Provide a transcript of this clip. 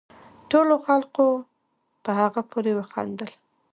ټولو خلقو په هغه پورې وخاندل